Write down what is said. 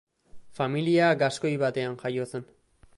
Familia gaskoi batean jaio zen.